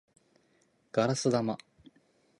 ガラス玉